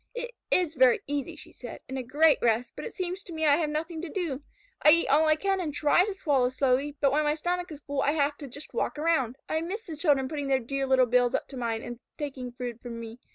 "It is very easy," she said, "and a great rest, but it seems to me I have nothing to do. I eat all I can and try to swallow slowly, but when my stomach is full I have to just walk around. I miss the children putting their dear little bills up to mine and taking food from me.